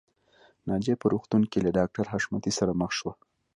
ناجیه په روغتون کې له ډاکټر حشمتي سره مخ شوه